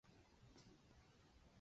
本线的铁路线。